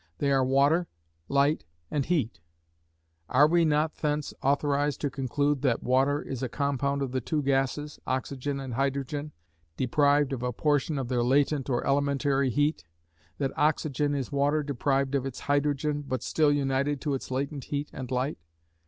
They are water, light and heat. Are we not, thence, authorised to conclude that water is a compound of the two gases, oxygen and hydrogen, deprived of a portion of their latent or elementary heat; that oxygen is water deprived of its hydrogen, but still united to its latent heat and light?